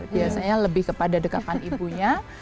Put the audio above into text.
biasanya lebih kepada dekapan ibunya